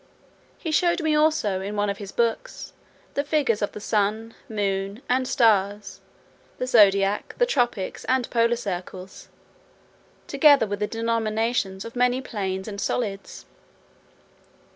He showed me also, in one of his books, the figures of the sun, moon, and stars, the zodiac, the tropics, and polar circles, together with the denominations of many planes and solids.